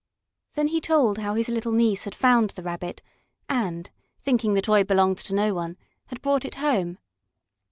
Then he told how his little niece had found the Rabbit, and, thinking the toy belonged to no one, had brought it home.